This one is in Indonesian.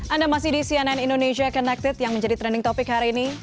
anda masih di cnn indonesia connected yang menjadi trending topic hari ini